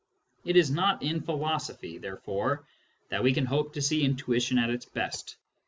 It is not in philosophy, therefore, that we can hope to see intuition at its best.